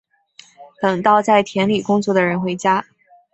等到在田里工作的人回家